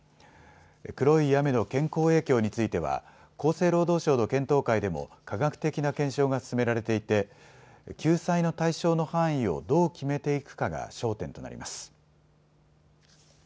黒い雨の健康影響については厚生労働省の検討会でも科学的な検証が進められていて救済の対象の範囲をどう決めていくかが焦点となります。